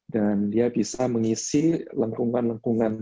dan dia bisa mengisi lengkungan lengkungan